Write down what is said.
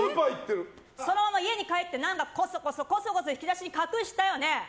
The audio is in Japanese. そのまま家に帰って、こそこそ引き出しに隠したよね。